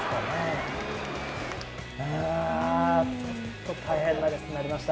ちょっと大変なレースになりました。